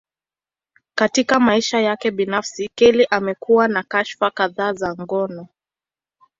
Katika maisha yake binafsi, Kelly amekuwa na kashfa kadhaa za ngono.